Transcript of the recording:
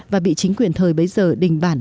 và bị chính quyền thời bấy giờ đình bản